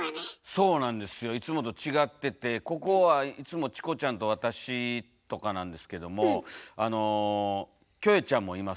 そうなんですよいつもと違っててここはいつもチコちゃんと私とかなんですけどもあのキョエちゃんもいますよ今日は。